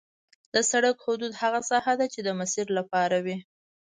د سرک حدود هغه ساحه ده چې د مسیر لپاره وي